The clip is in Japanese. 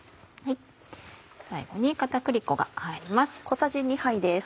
最後に片栗粉が入ります。